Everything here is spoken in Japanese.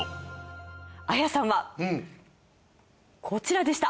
ＡＹＡさんはこちらでした。